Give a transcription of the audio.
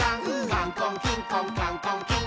「カンコンキンコンカンコンキン！」